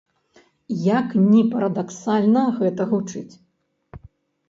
Як ні парадаксальна гэта гучыць.